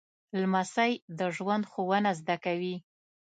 لمسی د ژوند ښوونه زده کوي.